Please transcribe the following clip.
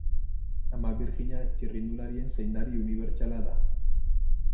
Ama Birjina, txirrindularien zaindari unibertsala da.